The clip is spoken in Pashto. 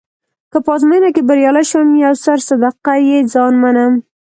که په ازموینه کې بریالی شوم یو سر صدقه يه ځان منم.